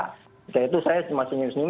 ketika itu saya masih nyuruh nyuruh